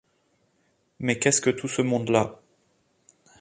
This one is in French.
Mais qu'est-ce que tout ce monde-là ?